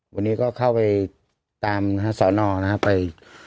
วันนี้ก็เข้าไปตามสอนอนะครับไป